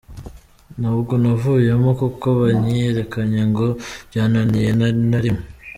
Ntabwo navuyemo kuko banyirukanye ngo byananiye, nta na rimwe.